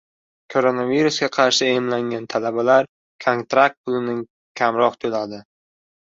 Koronavirusga qarshi emlangan talabalar kontrakt pulini kamroq to‘laydi